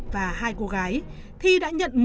và hai cô gái thi đã nhận